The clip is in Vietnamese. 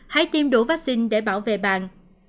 hãy tiêm đủ vaccine để bảo vệ bàn